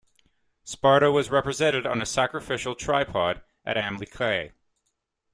Sparta was represented on a sacrificial tripod at Amyclae.